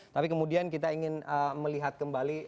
tapi kemudian kita ingin melihat kembali